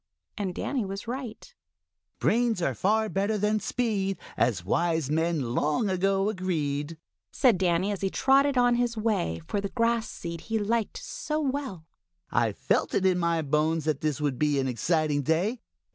And Danny was right. "Brains are better far than speed As wise men long ago agreed," said Danny, as he trotted on his way for the grass seed he liked so well. "I felt it in my bones that this would be an exciting day.